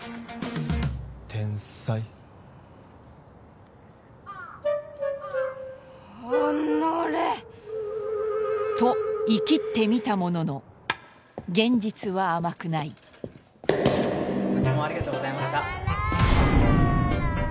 天才おのれとイキッてみたものの現実は甘くないご注文ありがとうございました